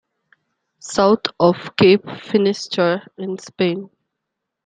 south of Cape Finisterre in Spain.